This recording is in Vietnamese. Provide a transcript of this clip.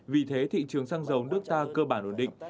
vì thế thị trường sang giàu nước ta cơ bản ổn định